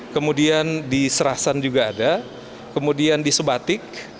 kemudian di serasan juga ada kemudian di sebatik